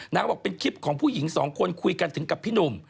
เขาบอกเป็นคลิปของผู้หญิงสองคนคุยกันถึงกับพี่หนุ่ม